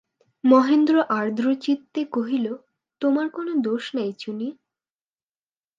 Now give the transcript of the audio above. মহেন্দ্র আর্দ্রচিত্তে কহিল, তোমার কোনো দোষ নাই, চুনি।